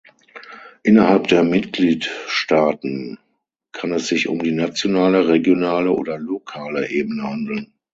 Innerhalb der Mitgliedstaaten kann es sich um die nationale, regionale oder lokale Ebene handeln.